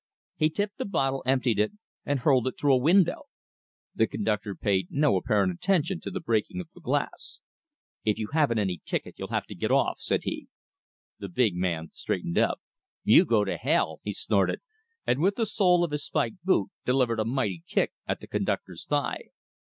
He tipped the bottle, emptied it, and hurled it through a window. The conductor paid no apparent attention to the breaking of the glass. "If you haven't any ticket, you'll have to get off," said he. The big man straightened up. "You go to hell!" he snorted, and with the sole of his spiked boot delivered a mighty kick at the conductor's thigh.